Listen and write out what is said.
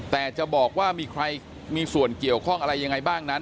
แต่จะบอกว่ามีใครมีส่วนเกี่ยวข้องอะไรยังไงบ้างนั้น